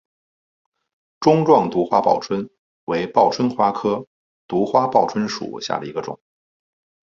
钟状独花报春为报春花科独花报春属下的一个种。